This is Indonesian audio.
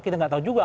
kita gak tahu juga